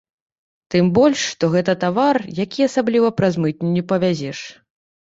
Тым больш, што гэта тавар, які асабліва праз мытню не павязеш.